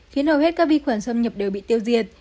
khiến hầu hết các vi khuẩn xâm nhập đều bị tiêu diệt